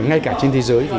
ngay cả trên thế giới